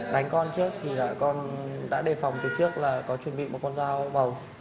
đánh con trước thì con đã đề phòng từ trước là có chuẩn bị một con dao bầu